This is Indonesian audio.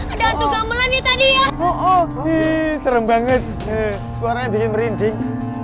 ada hantu gamelan tadi ya oh serem banget suaranya bikin merinding